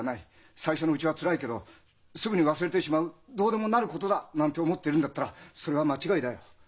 最初のうちはつらいけどすぐに忘れてしまうどうでもなることだ」なんて思っているんだったらそれは間違いだよ。